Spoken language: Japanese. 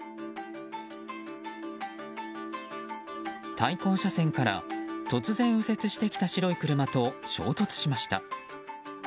対向車線から突然右折してきた白い車と衝突しました。